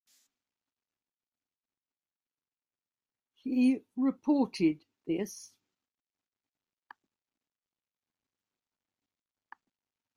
He reported this.